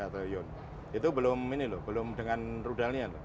tiga triliun itu belum ini loh belum dengan rudalnya